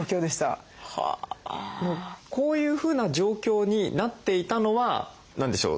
こういうふうな状況になっていたのは何でしょう？